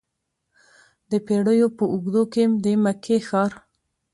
د پیړیو په اوږدو کې د مکې ښار.